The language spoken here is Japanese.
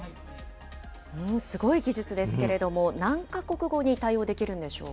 すごい技術ですけれども、何か国語に対応できるんでしょうか。